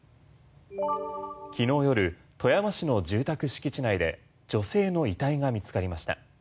昨日夜、富山市の住宅敷地内で女性の遺体が見つかりました。